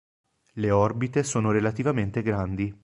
Le orbite sono relativamente grandi.